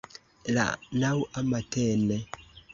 La naŭa matene.